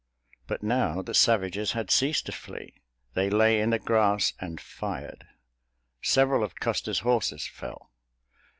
But now the savages had ceased to flee. They lay in the grass and fired. Several of Custer's horses fell.